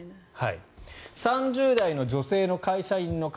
３０代の女性会社員の方